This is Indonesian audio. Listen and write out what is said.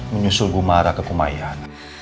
menyusul bumara ke kumayan